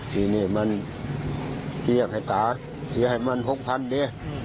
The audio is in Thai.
ทีนี้มันเกียรติให้ตาเกียรติให้มัน๖๐๐๐เดี๋ยว